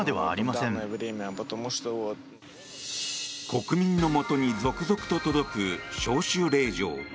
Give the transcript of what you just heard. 国民のもとに続々と届く招集令状。